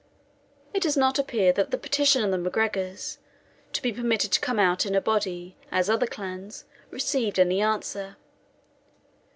It does not appear that the petition of the MacGregors, to be permitted to come out in a body, as other clans, received any answer.